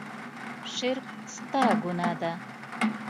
شرک ستره ګناه ده.